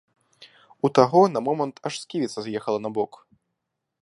У таго на момант аж сківіца з'ехала набок.